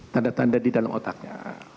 tanda tanda di dalam otaknya